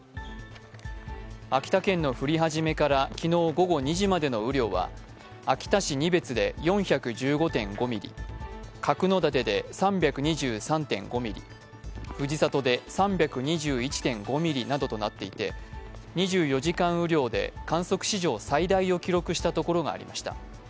秋田県の降り始めから昨日午後２時までの雨量は秋田市仁別で４１５．５ミリ、角館で３２３．５ミリ、藤里で３２１．５ミリなどとなっていて２４時間雨量で観測史上最大を記録したところがありました。